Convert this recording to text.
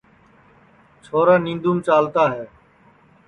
وشال نیںدَوںم چالتا ہے